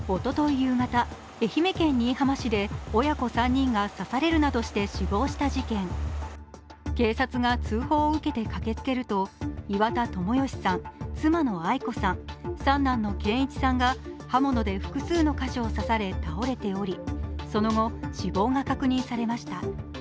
夕方、愛媛県新居浜市で親子３人が刺されるなどして死亡した事件、警察が通報を受けて駆けつけると、岩田友義さん、妻のアイ子さん三男の健一さんが刃物で複数の箇所を刺されて倒れており、その後、死亡が確認されました。